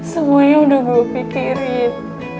semuanya udah gue pikirin